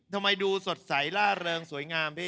ทำไมดูสดใสล่าเริงสวยงามพี่